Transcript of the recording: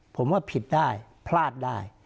ผมว่าผิดได้พลาดได้